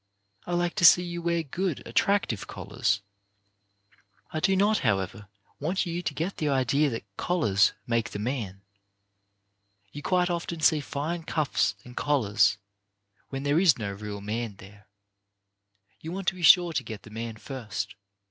I like to see you wear good, attractive collars. I do not, however, want you to get the idea that collars make the man. You quite often see fine cuffs and collars, when there is no real man there. You want to be sure to get the man first.